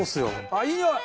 あっいいにおい！